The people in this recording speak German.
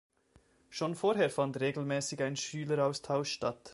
Schon vorher fand regelmäßig ein Schüleraustausch statt.